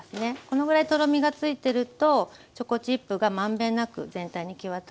このぐらいとろみがついてるとチョコチップが満遍なく全体に行き渡りますね。